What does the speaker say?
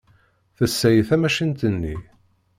Tessaɣ tamacint-nni.